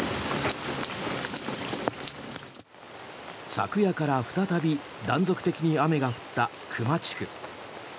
昨夜から再び断続的に雨が降った熊地区。